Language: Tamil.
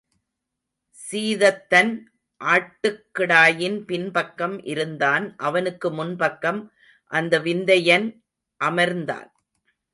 சீதத்தன் ஆட்டுக்கிடாயின் பின் பக்கம் இருந்தான் அவனுக்கு முன் பக்கம் அந்த விந்தையன் அமர்ந்தான்.